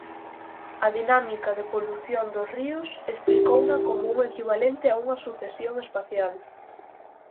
A dinámica de polución dos ríos explicouna como un equivalente a unha sucesión espacial.